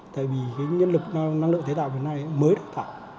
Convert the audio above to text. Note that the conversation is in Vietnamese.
tại vì cái nhân lực năng lượng tái tạo hiện nay mới được tạo